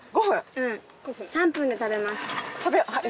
うん３分で食べます